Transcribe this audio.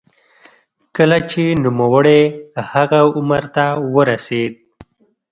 کله چې نوموړی هغه عمر ته ورسېد.